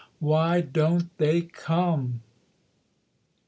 Why don't they come !